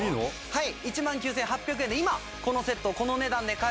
はい。